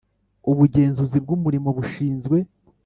Ubugenzuzi bw umurimo bushinzwe